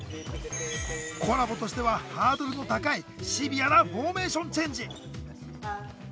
コラボとしてはハードルの高いシビアなフォーメーションチェンジ。